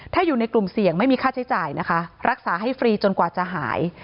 ถ้าอยู่ในกลุ่มเสี่ยงไม่มีค่าใช้จ่ายนะคะรักษาให้ฟรีจนกว่าจะหาย